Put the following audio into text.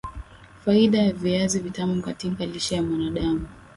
Faida ya viazi vitamu katika lishe ya mwanadamu